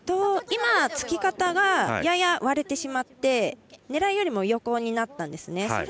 今、つき方がやや割れてしまって狙いよりも横になったんですね。